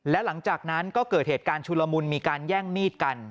และหลังจากนั้นก็เกิดเหตุการณ์ชุลมุนมีการแย่งมีดกัน